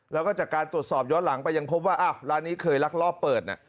แล้วก็จากการตรวจสอบย้อนหลังไปยังพบว่าอ้าวร้านนี้เคยลักลอบเปิด